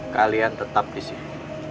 kalian tetap disini